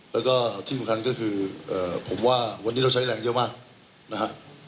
แล้วก็ที่สำคัญก็คือผมว่าวันนี้เราใช้แรงเยอะมากนะฮะ